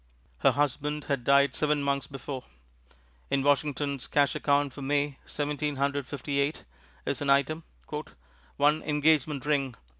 Her husband had died seven months before. In Washington's cash account for May, Seventeen Hundred Fifty eight, is an item, "one Engagement Ring £2.